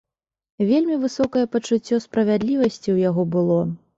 Вельмі высокае пачуццё справядлівасці ў яго было.